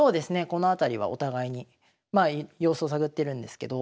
この辺りはお互いにまあ様子を探ってるんですけど。